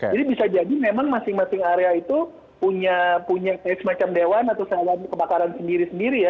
jadi bisa jadi memang masing masing area itu punya kayak semacam dewan atau kebakaran sendiri sendiri ya